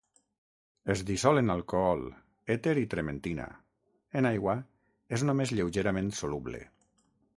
Es dissol en alcohol, èter i trementina; en aigua és només lleugerament soluble.